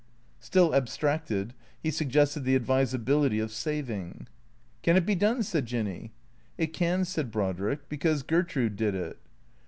" Still abstracted, he suggested the advisability of saving. " Can it be done ?" said Jinny. " It can," said Brodrick, " because Gertrude did it."